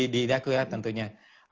di aku ya tentunya